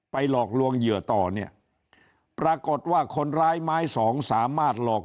หลอกลวงเหยื่อต่อเนี่ยปรากฏว่าคนร้ายไม้สองสามารถหลอก